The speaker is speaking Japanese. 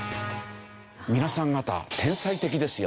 皆さん方天才的ですよ